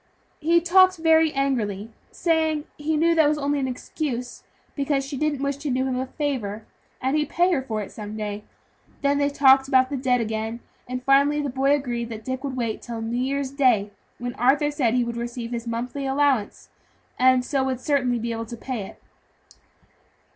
"He talked very angrily, saying he knew that was only an excuse, because she didn't wish to do him a favor, and he'd pay her for it some day. Then they talked about the debt again, and finally the boy agreed that Dick would wait until New Year's Day, when Arthur said he would receive his monthly allowance, and so would certainly be able to pay it.